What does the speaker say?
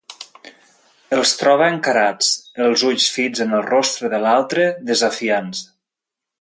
Els troba encarats, els ulls fits en el rostre de l'altre, desafiants.